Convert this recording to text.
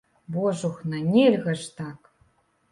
Божухна, нельга ж так!